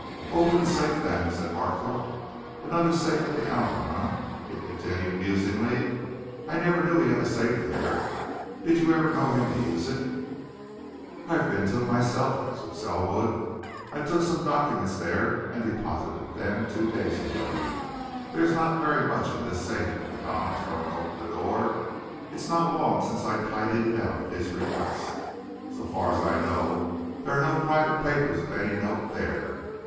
"Open the safe, then," said Barthorpe. "Another safe at the Alpha, eh?" he continued, musingly. "I never knew he had a safe there. Did you ever know him to use it?" "I've been to it myself," answered Selwood. "I took some documents there and deposited them, two days ago. There's not very much in this safe," he went on, throwing open the door. "It's not long since I tidied it out at his request. So far as I know, there are no private papers of any note there.